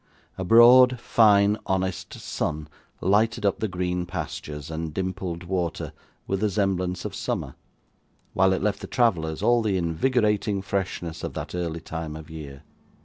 A broad, fine, honest sun lighted up the green pastures and dimpled water with the semblance of summer, while it left the travellers all the invigorating freshness of that early time of year.